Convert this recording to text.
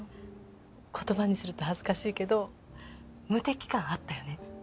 言葉にすると恥ずかしいけど無敵感あったよね。